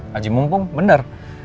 haji mumpung bener